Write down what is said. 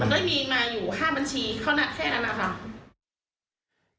มันก็มีมาอยู่๕บัญชีเขาแค่นั้นค่ะ